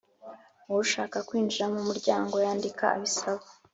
Ushaka kwinjira mu muryango yandika abisaba